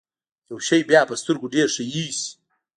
يو شی بيا په سترګو ډېر ښه اېسي.